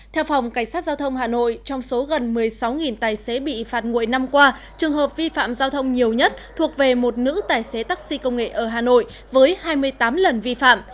theo phòng cảnh sát giao thông hà nội trong số gần một mươi sáu tài xế bị phạt nguội năm qua trường hợp vi phạm giao thông nhiều nhất thuộc về một nữ tài xế taxi công nghệ ở hà nội với hai mươi tám lần vi phạm